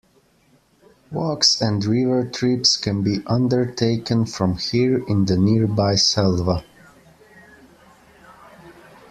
Walks and river trips can be undertaken from here in the nearby selva.